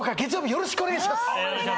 よろしくお願いします！